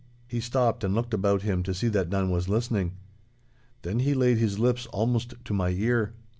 He stopped and looked about him to see that none was listening. Then he laid his lips almost to my ear.